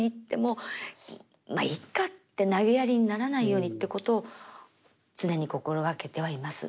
「まっいっか」ってなげやりにならないようにってことを常に心がけてはいます。